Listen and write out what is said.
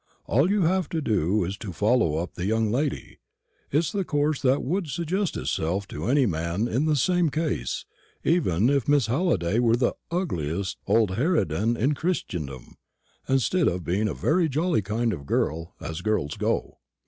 All you have to do is to follow up the young lady; it's the course that would suggest itself to any man in the same case, even if Miss Halliday were the ugliest old harridan in Christendom, instead of being a very jolly kind of girl, as girls go."